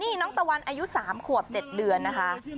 นี่น้องตะวันอายุ๓ขวบ๗เดือนนะคะ